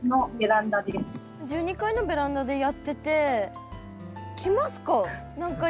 １２階のベランダでやってて来ますか？